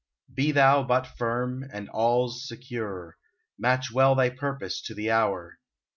Be thou but firm, and all 's secure : Match well thy purpose to the hour.